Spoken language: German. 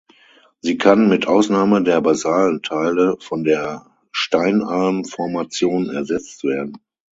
Sie kann, mit Ausnahme der basalen Teile, von der Steinalm-Formation ersetzt werden.